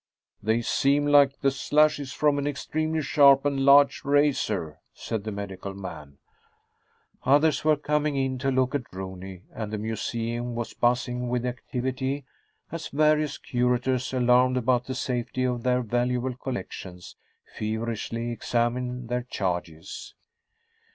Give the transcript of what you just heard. "They seem like the slashes from an extremely sharp and large razor," said the medical man. Others were coming in to look at Rooney, and the museum was buzzing with activity as various curators, alarmed about the safety of their valuable collections, feverishly examined their charges.